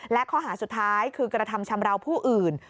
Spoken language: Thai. และข้อหาสุดท้ายคือกระทำชำราวผู้อื่น